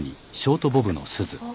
あ。